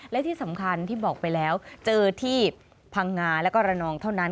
และที่สำคัญที่บอกไปแล้วเจอที่พังงาแล้วก็ระนองเท่านั้น